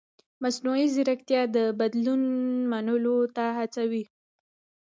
مصنوعي ځیرکتیا د بدلون منلو ته هڅوي.